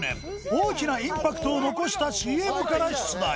大きなインパクトを残した ＣＭ から出題